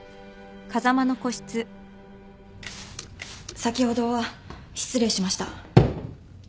先ほどは失礼しました。